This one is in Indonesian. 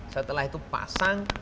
setelah itu pasang